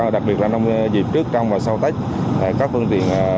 đặc biệt là dịp trước trong và sau tết